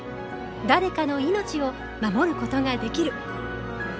誰かの命を守ることができる。